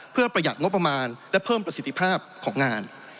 เพื่อประหยัดงบประมาณและเพิ่มประสิทธิภาพของงาน